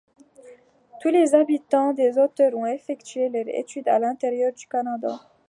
Tous les habitants des Hauteurs ont effectué leurs études à l'intérieur du Canada.